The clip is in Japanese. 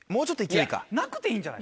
なくていいんじゃない？